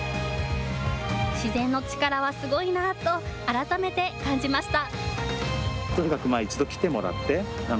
自然の力はすごいなと改めて感じました。